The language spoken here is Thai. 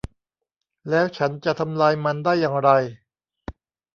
แล้วฉันจะทำลายมันได้อย่างไร